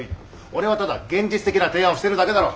俺はただ現実的な提案をしてるだけだろ。